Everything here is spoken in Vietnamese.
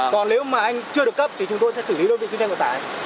còn nếu mà anh chưa được cấp thì chúng tôi sẽ xử lý đơn vị chuyên gia cộng tái